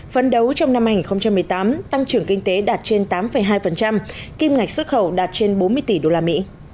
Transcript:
phấn đấu trong năm hai nghìn một mươi tám tăng trưởng kinh tế đạt trên tám hai kim ngạch xuất khẩu đạt trên bốn mươi tỷ usd